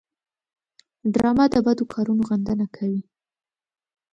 ډرامه د بدو کارونو غندنه کوي